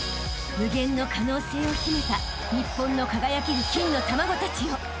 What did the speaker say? ［無限の可能性を秘めた日本の輝ける金の卵たちよ］